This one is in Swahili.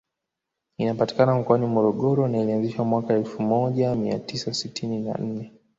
Inapatikana mkoani Morogoro na ilianzishwa mwaka wa elfu moja mia tisa sitini na nne